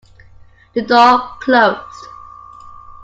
The door closed.